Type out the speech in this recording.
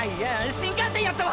新幹線やったわ！！